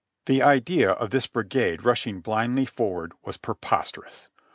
The idea of this brigade rushing blindly forward was prepos terous.